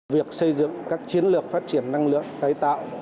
việc xây dựng các chiến lược phát triển năng lượng tái tạo